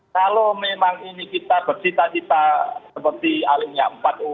kalau memang ini kita bercita cita seperti alimnya empat u